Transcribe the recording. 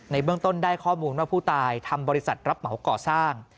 เบื้องต้นได้ข้อมูลว่าผู้ตายทำบริษัทรับเหมาก่อสร้าง